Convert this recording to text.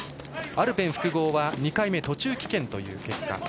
アルペン複合は２回目、途中棄権という結果。